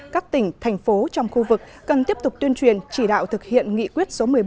các tỉnh thành phố trong khu vực cần tiếp tục tuyên truyền chỉ đạo thực hiện nghị quyết số một mươi bảy